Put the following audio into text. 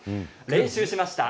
練習しました。